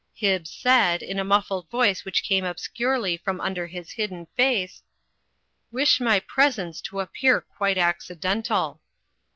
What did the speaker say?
Hibbs said, in a muffled voice which came obscurely from under his hidden face, "Wish my presence to appear quite accidental."